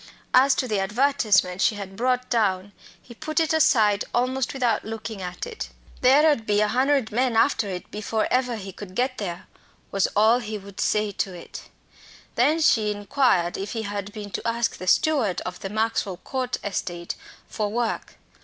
As to the advertisement she had brought down, he put it aside almost without looking at it. "There ud be a hun'erd men after it before ever he could get there," was all he would say to it. Then she inquired if he had been to ask the steward of the Maxwell Court estate for work.